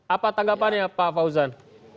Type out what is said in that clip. apa tanggapannya pak fauzan